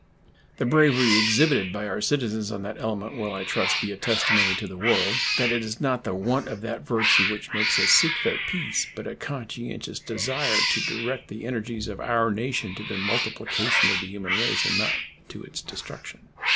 The bravery exhibited by our citizens on that element will, I trust, be a testimony to the world that it is not the want of that virtue which makes us seek their peace, but a conscientious desire to direct the energies of our nation to the multiplication of the human race, and not to its destruction.